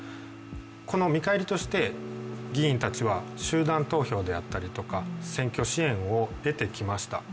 この見返りとして議員たちは集団投票であったりとか、選挙支援を得てきました。